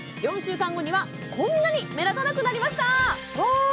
４週間後にはこんなに目立たなくなりましたうわ